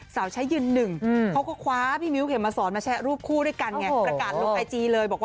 สาวเช้ายืนนึงเขาก็คว้าพี่มิวเขียมมาสอนมาแชร์รูปคู่ด้วยกันไง